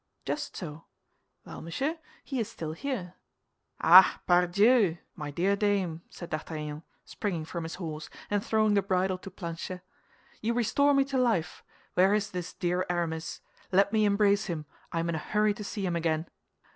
"Just so. Well, monsieur, he is still here." "Ah, pardieu! My dear dame," said D'Artagnan, springing from his horse, and throwing the bridle to Planchet, "you restore me to life; where is this dear Aramis? Let me embrace him, I am in a hurry to see him again."